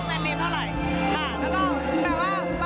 ไม่มีผู้บ่าวนะคะ